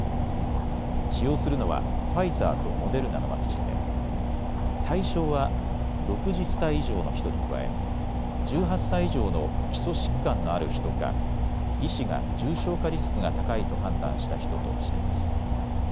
使用するのはファイザーとモデルナのワクチンで対象は６０歳以上の人に加え１８歳以上の基礎疾患のある人か医師が重症化リスクが高いと判断した人としています。